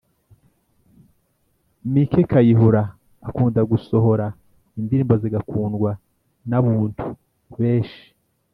mike kayihura akunda gusohora indirimbo zigakundwa nabuntu beshi